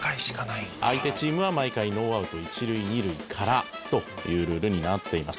「相手チームは毎回ノーアウト一塁二塁からというルールになっています」